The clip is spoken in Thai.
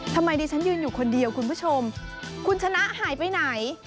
ทำไมดิฉันยืนอยู่คนเดียวคุณผู้ชมคุณชนะหายไปไหน